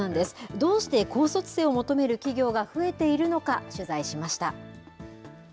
どうして高卒生を求める企業が増えているのか、取材しました。